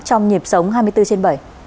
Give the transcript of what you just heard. trong nhịp sống hai mươi bốn trên bảy